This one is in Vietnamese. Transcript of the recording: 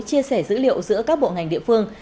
chia sẻ dữ liệu giữa các bộ ngành địa phương